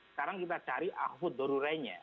sekarang kita cari ahud dorurainya